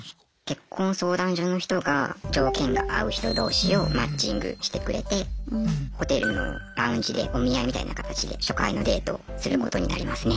結婚相談所の人が条件が合う人同士をマッチングしてくれてホテルのラウンジでお見合いみたいな形で初回のデートをすることになりますね。